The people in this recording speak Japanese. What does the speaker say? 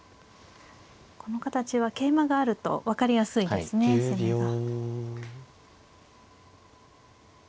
この形は桂馬があると分かりやすいですね攻めが。